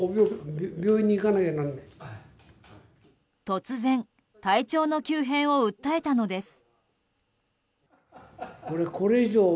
突然、体調の急変を訴えたのです。